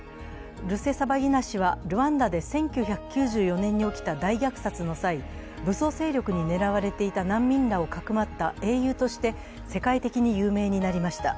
ルセサバギナ氏はルワンダで１９９４年に起きた大虐殺の際、武装勢力に狙われていた難民らをかくまった英雄として世界的に有名になりました。